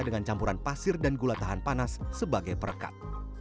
dengan campuran pasir dan gula tahan panas sebagai perekat